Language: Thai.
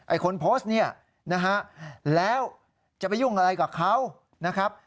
คนโพสต์เนี่ยนะฮะแล้วจะไปยุ่งอะไรกับเขานะครับ